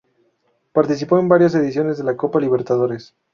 Participó en varias ediciones de la Copa Libertadores.